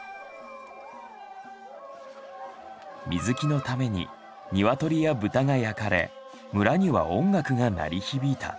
水木のためにニワトリやブタが焼かれ村には音楽が鳴り響いた。